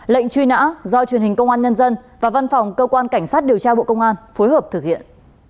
lệnh truy nã do truyền hình công an nhân dân và văn phòng cơ quan cảnh sát điều tra bộ công an phối hợp thực hiện